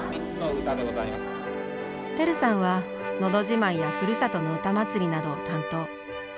輝さんは「のど自慢」や「ふるさとの歌まつり」などを担当。